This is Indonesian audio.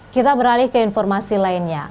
kita beralih ke informasi lainnya